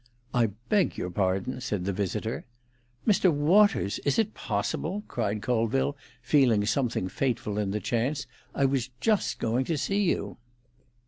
"I beg your pardon," said the visitor. "Mr. Waters! Is it possible?" cried Colville, feeling something fateful in the chance. "I was just going to see you."